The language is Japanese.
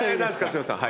剛さん。